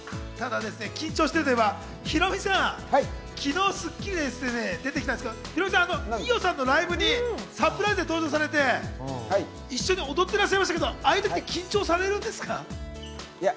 緊張しているといえばヒロミさん、昨日『スッキリ』でですね、出てきたんですけど、伊代さんのライブにサプライズで登場されて、一緒に踊っていらっしゃいましたが、ああいう時って緊張されるんですか？